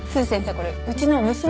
これうちの娘。